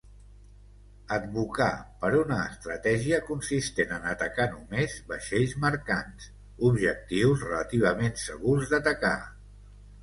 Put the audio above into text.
Advocà per una estratègia consistent en atacar només vaixells mercants, objectius relativament segurs d'atacar.